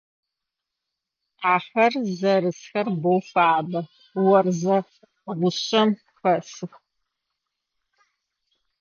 Ахэр зэрысхэр боу фабэ, орзэ гъушъэм хэсых.